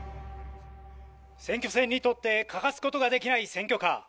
選挙戦にとって欠かすことができない選挙カー。